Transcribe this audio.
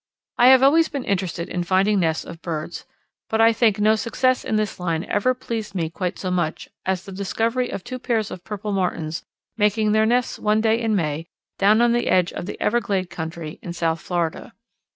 I have always been interested in finding nests of birds, but I think no success in this line ever pleased me quite so much as the discovery of two pairs of Purple Martins making their nests one day in May, down on the edge of the Everglade country in south Florida.